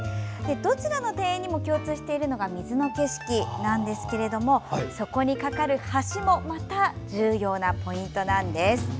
どちらの庭園にも共通しているのが水の景色なんですけどもそこに架かる橋もまた重要なポイントなんです。